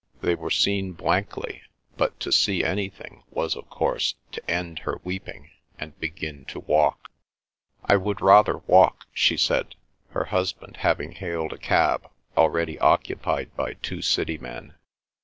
They were seen blankly, but to see anything was of course to end her weeping and begin to walk. "I would rather walk," she said, her husband having hailed a cab already occupied by two city men.